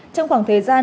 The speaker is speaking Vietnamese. trong khoảng thời gian